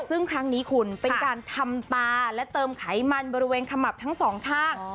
ซึ่งครั้งนี้คุณเป็นการทำตาและเติมไขมันบริเวณขมับทั้งสองข้าง